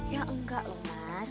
ya enggak loh mas